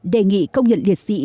đề nghị công nhận liệt sĩ